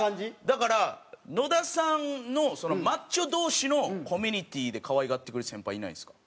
だから野田さんのマッチョ同士のコミュニティで可愛がってくれる先輩いないんですか？